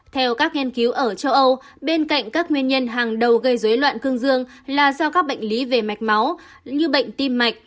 theo các nghiên cứu ở châu âu bên cạnh các nguyên nhân hàng đầu gây dối loạn cương dương là do các bệnh lý về mạch máu như bệnh tim mạch